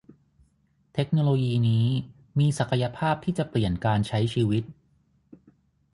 เทคโนโลยีนี้มีศักยภาพที่จะเปลี่ยนการใช้ชีวิต